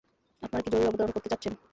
আপনারা কি জরুরি অবতরণ করাতে চাচ্ছেন?